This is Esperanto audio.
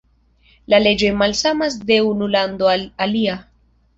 La leĝoj malsamas de unu lando al alia.